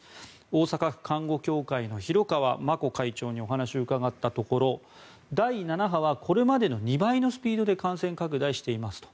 大阪府看護協会の弘川摩子会長にお話を伺ったところ第７波はこれまでの２倍のスピードで感染拡大していますと。